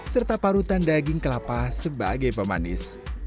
serta parutan daging kelapa sebagai pemanis